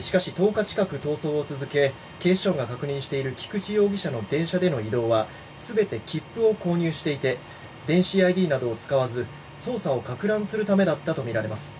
しかし、１０日近く逃走を続け警視庁が確認している菊池容疑者の電車での移動は全て切符を購入していて電子ＩＤなどを使わず捜査をかく乱するためだったとみられます。